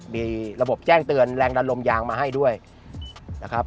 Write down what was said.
มีระบบแจ้งเตือนแรงดันลมยางมาให้ด้วยนะครับ